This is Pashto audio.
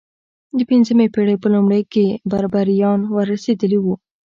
د پنځمې پېړۍ په لومړیو کې بربریان ور رسېدلي وو.